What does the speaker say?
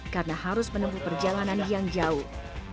karena harus menemukan perjalanan yang jauh